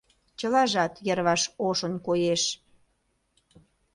Чылажат йырваш ошын коеш.